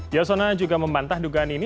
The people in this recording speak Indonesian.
yasona juga membantah dugaan ini